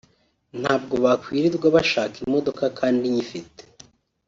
ntabwo bakwirirwa bashaka imodoka kandi nyifite